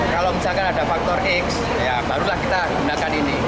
kalau misalkan ada faktor x ya barulah kita gunakan ini